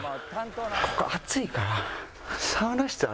ここ暑いから。